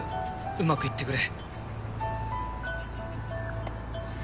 上手くいってくれ。